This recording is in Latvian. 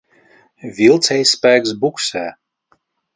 Vilcējspēks buksē.